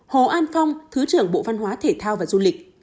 hồ an phong thứ trưởng bộ văn hóa thể thao và du lịch